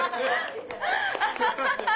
アハハハ！